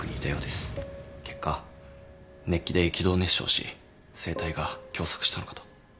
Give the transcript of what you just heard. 結果熱気で気道熱傷し声帯が狭窄したのかと。